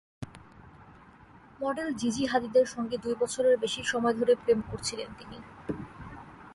Model Gigi হাদিদের সঙ্গে দুই বছরের বেশি সময় ধরে প্রেম করছিলেন তিনি।